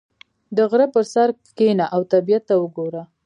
• د غره پر سر کښېنه او طبیعت ته وګوره.